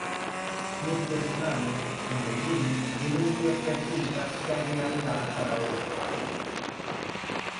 Neste escenario, Fungueiriño denuncia que "a Xunta segue a mirar para outro lado".